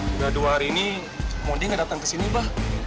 sudah dua hari ini moding nggak datang ke sini bah